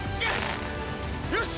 「よし！